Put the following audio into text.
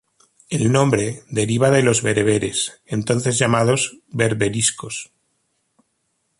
El nombre deriva de los bereberes, entonces llamados berberiscos.